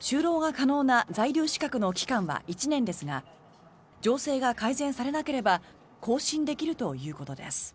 就労が可能な在留資格の期間は１年ですが情勢が改善されなければ更新できるということです。